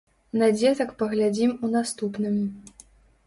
На дзетак паглядзім у наступным.